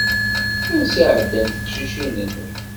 Ansa i ɛeddant teqcicin-nni?